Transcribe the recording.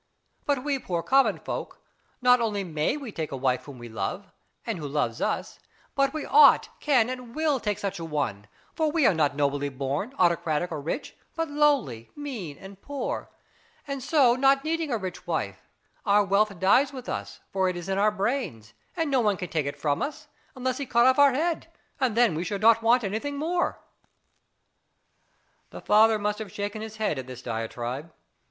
But we poor common folk, not only may we take a wife whom we love, and who loves us, but we ought, can, and will take such an one; for we are not nobly born, aristocratic, or rich, but lowly, mean, and poor, and so not needing a rich wife; our wealth dies with us, for it is in our brains and no one can take it from us, unless he cut off our head and then we should not want anything more. The father must have shaken his head at this diatribe.